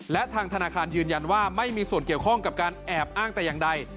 และทางธนาคารยืนยันว่าไม่มีส่วนเกี่ยวข้องกับการแอบอ้างแต่อย่างใด